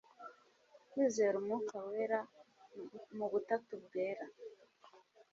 kwizera umwuka wera m ubutatu bwera